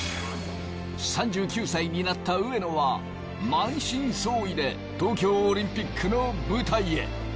３９歳になった上野は満身創痍で東京オリンピックの舞台へ。